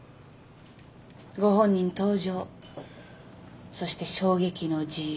ご本人登場そして衝撃の事実。